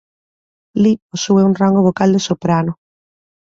Li posúe un rango vocal de soprano.